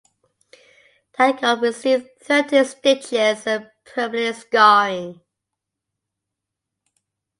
Danko received thirteen stitches and permanent scarring.